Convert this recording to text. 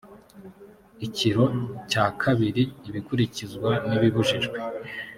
icyiro cyakabiri ibikurikizwa n ibibujijwe